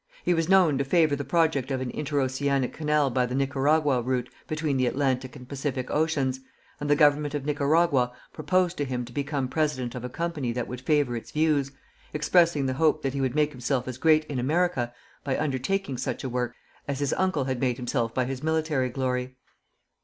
He was known to favor the project of an interoceanic canal by the Nicaragua route between the Atlantic and Pacific Oceans, and the Government of Nicaragua proposed to him to become president of a company that would favor its views, expressing the hope that he would make himself as great in America by undertaking such a work, as his uncle has made himself by his military glory.